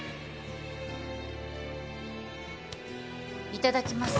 いただきます。